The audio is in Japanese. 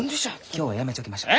今日はやめちょきましょう。